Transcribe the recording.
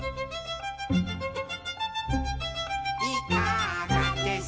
「いかがです」